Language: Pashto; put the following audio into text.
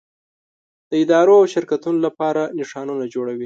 د ادارو او شرکتونو لپاره نښانونه جوړوي.